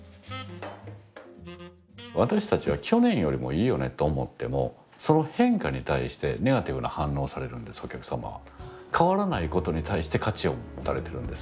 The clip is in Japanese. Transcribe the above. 私たちは「去年よりもいいよね」と思ってもその変化に対してネガティブな反応をされるんですお客様は。